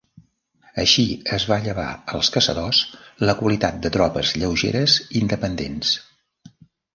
Així es va llevar als caçadors la qualitat de tropes lleugeres independents.